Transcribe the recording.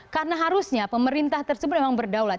karena harusnya pemerintah tersebut memang berdaulat